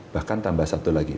bahkan tambah satu lagi